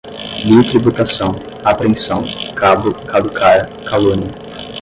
bitributação, apreensão, cabo, caducar, calúnia